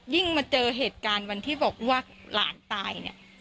มาเจอเหตุการณ์วันที่บอกว่าหลานตายเนี่ย